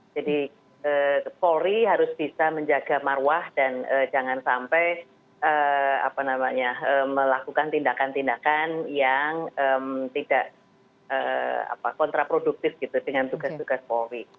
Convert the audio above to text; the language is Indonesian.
polri harus bisa menjaga marwah dan jangan sampai melakukan tindakan tindakan yang tidak kontraproduktif gitu dengan tugas tugas polri